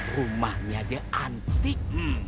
rumahnya saja antik